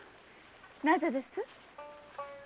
なぜです？